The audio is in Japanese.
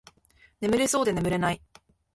眠れそうで眠れない